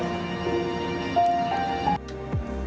banyak makan sayur banyak makan buah